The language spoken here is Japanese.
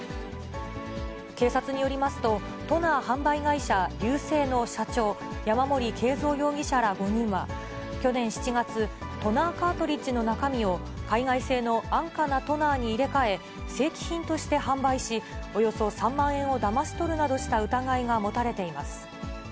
警察によりますと、トナー販売会社、リューセイの社長、山森敬造容疑者ら５人は、去年７月、トナーカートリッジの中身を、海外製の安価なトナーに入れ替え、正規品として販売し、およそ３万円をだまし取るなどした疑いが持たれています。